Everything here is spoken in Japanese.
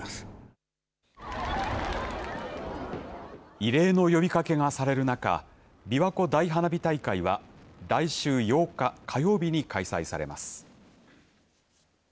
異例の呼びかけがされる中びわ湖大花火大会は来週８日火曜日に開催されます。